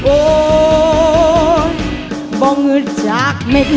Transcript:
โอ้บ่งหืดจากเม็ด